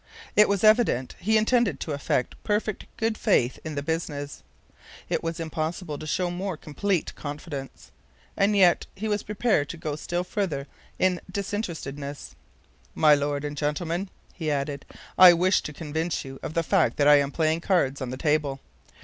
It was evident he intended to affect perfect good faith in the business. It was impossible to show more complete confidence. And yet he was prepared to go still further in disinterestedness. "My Lord and gentlemen," he added, "I wish to convince you of the fact that I am playing cards on the table.